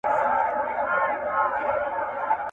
راعي پر رعيت باندي په عدل کولو مکلف دی.